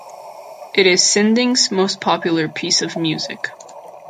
It is Sinding's most popular piece of music.